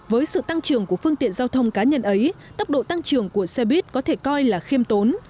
với sự tăng trưởng của phương tiện giao thông cá nhân ấy tốc độ tăng trưởng của xe buýt có thể coi là khiêm tốn